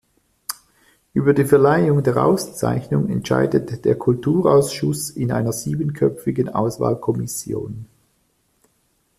Über die Verleihung der Auszeichnung entscheidet der Kulturausschuss in einer siebenköpfigen Auswahlkommission.